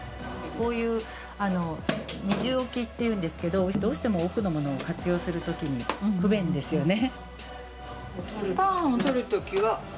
こういう二重置きっていうんですけどどうしても奥のもの活用するのに不便ですよね。